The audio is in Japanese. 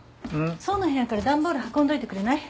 想の部屋から段ボール運んどいてくれない？